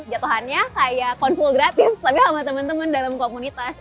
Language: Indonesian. jatuhannya kayak konflik gratis tapi sama temen temen dalam komunitas